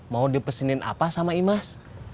mau dipesenin apa sama imas